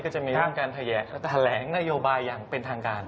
ก็จะมีต้องการแถวแหลกนโยบายอย่างเป็นทางการ